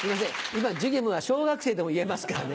今『寿限無』は小学生でも言えますからね。